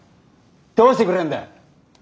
どうしてくれるんだよ。